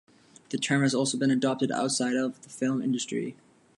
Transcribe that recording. The term has also been adopted outside of the film industry.